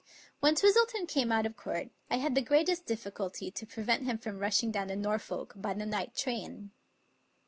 When Twistleton came out of court, I had the great est difficulty to prevent him from rushing down to Nor folk by the night train.